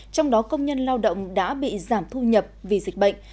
trong đó công nhân lao động đã bị giảm thu nhập vì dịch bệnh